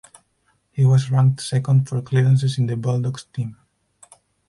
He was ranked second for clearances in the Bulldogs team.